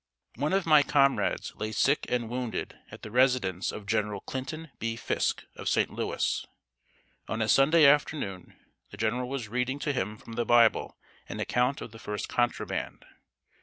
One of my comrades lay sick and wounded at the residence of General Clinton B. Fisk, of St. Louis. On a Sunday afternoon the general was reading to him from the Bible an account of the first contraband.